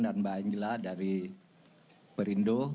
dan mbak angela dari perindo